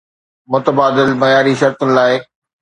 متبادل معياري شرطن لاء